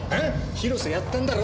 広瀬やったんだろ！？